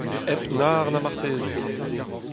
Hep mar na marteze !